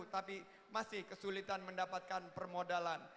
tapi masih kesulitan mendapatkan permodalan